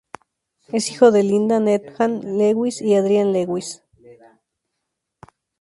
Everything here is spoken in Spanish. Es hijo de Lynda Needham Lewis y Adrian Lewis.